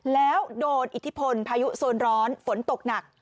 แล้วโดนอิทธิพลพายุโซนร้อนฝนตกหนัก